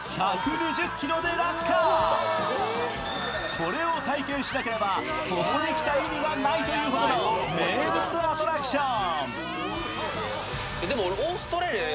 これを体験しなければ、ここに来た意味がないというほどの名物アトラクション。